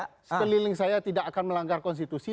sekeliling saya tidak akan melanggar konstitusi